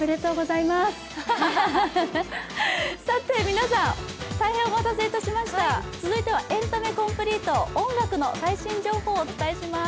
皆さん大変お待たせいたしましたぁ続いては「エンタメコンプリート」音楽の最新情報をお伝えします。